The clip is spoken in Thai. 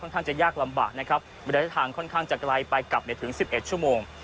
ข้างจะยากลำบากนะครับระยะทางค่อนข้างจะไกลไปกลับถึง๑๑ชั่วโมง